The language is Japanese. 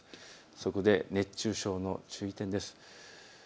そこで熱中症の注意点です。